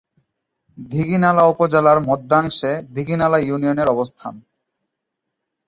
দীঘিনালা উপজেলার মধ্যাংশে দীঘিনালা ইউনিয়নের অবস্থান।